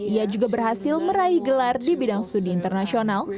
ia juga berhasil meraih gelar di bidang studi internasional